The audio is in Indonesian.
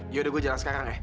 ya udah gue jalan sekarang ya